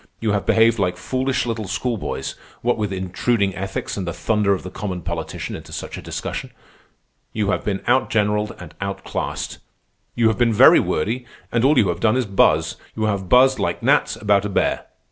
You have behaved like foolish little schoolboys, what with intruding ethics and the thunder of the common politician into such a discussion. You have been outgeneralled and outclassed. You have been very wordy, and all you have done is buzz. You have buzzed like gnats about a bear.